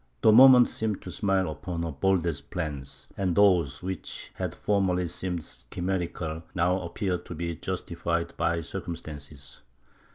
The moment seemed to smile upon her boldest plans, and those which had formerly seemed chimerical, now appeared to be justified by circumstances.